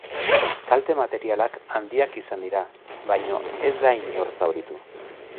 Kalte materialak handiak izan dira, baina ez da inor zauritu.